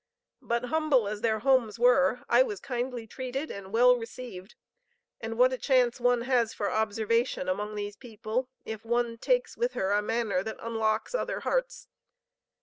But, humble as their homes were, I was kindly treated, and well received; and what a chance one has for observation among these people, if one takes with her a manner that unlocks other hearts.